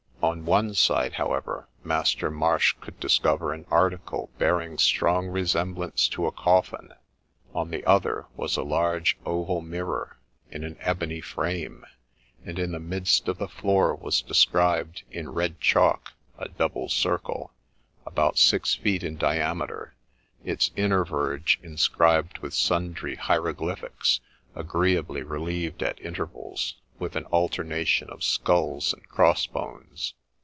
On one side, however, Master Marsh could discover an article bearing strong resemblance to a coffin ; on the other was a large oval mirror in an ebony frame, and in the midst of the floor was described, in red chalk, a double circle, about six feet in diameter, its inner verge inscribed with sundry hieroglyphics, agreeably relieved at intervals with an alternation of skulls and cross bones.